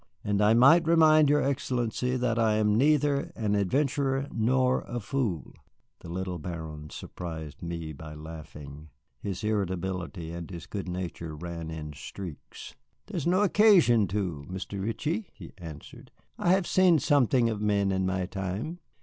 And I might remind your Excellency that I am neither an adventurer nor a fool." The little Baron surprised me by laughing. His irritability and his good nature ran in streaks. "There is no occasion to, Mr. Ritchie," he answered. "I have seen something of men in my time.